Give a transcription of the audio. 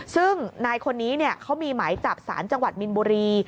ซึ่งนายคนนี้เขามีหมายจับสารจังหวัดมินบุรี